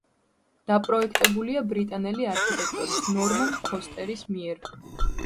დაპროექტებულია ბრიტანელი არქიტექტორის ნორმან ფოსტერის მიერ.